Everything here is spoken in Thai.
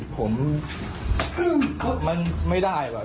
อะไรเดินมาช่วย